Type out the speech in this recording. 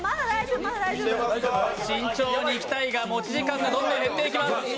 慎重にいきたいが、持ち時間がどんどん減っていきます。